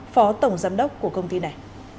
phó tổng giám đốc của công ty này